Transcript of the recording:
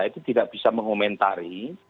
itu tidak bisa mengomentari